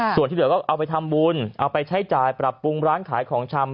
ส่วนที่เหลือก็เอาไปทำบุญเอาไปใช้จ่ายปรับปรุงร้านขายของชำ